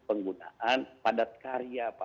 penggunaan padat karya pak